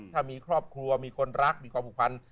ถ้ามีครอบครัวมีคนรักมีความผูกพัน